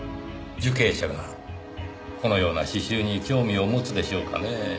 受刑者がこのような詩集に興味を持つでしょうかねぇ。